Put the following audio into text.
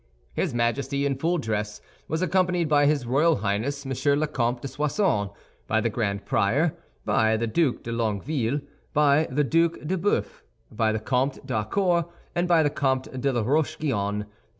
His Majesty, in full dress, was accompanied by his royal Highness, M. le Comte de Soissons, by the Grand Prior, by the Duc de Longueville, by the Duc d'Eubœuf, by the Comte d'Harcourt, by the Comte de la Roche Guyon, by M.